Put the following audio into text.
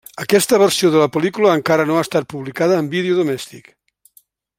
Aquesta versió de la pel·lícula encara no ha estat publicada en vídeo domèstic.